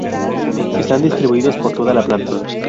Están distribuidos por toda la planta.